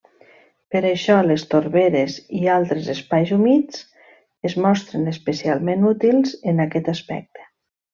Per això, les torberes i altres espais humits es mostren especialment útils en aquest aspecte.